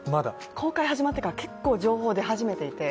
公開始まってから結構、情報出始めていて。